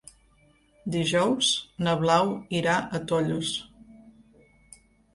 Dijous na Blau irà a Tollos.